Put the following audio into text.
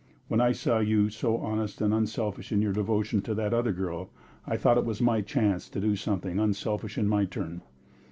When I saw you so honest and unselfish in your devotion to that other girl, I thought it was my chance to do something unselfish in my turn.